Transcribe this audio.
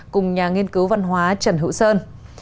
cùng nhà nghiên cứu văn hóa trần hữu sơn